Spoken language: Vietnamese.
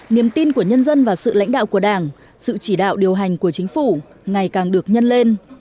niềm tin của nhân dân vào sự lãnh đạo của đảng sự chỉ đạo điều hành của chính phủ ngày càng được nhân lên